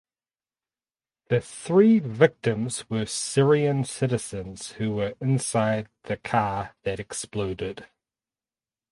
The three victims were Syrian citizens who were inside the car that exploded.